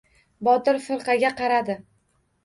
Botir firqaga qaradi.